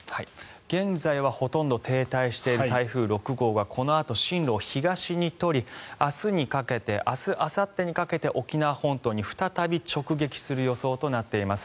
現在はほとんど停滞している台風６号はこのあと、進路を東に取り明日あさってにかけて沖縄本島に再び直撃する予想となっています。